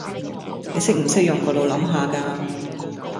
你識唔識用個腦諗吓㗎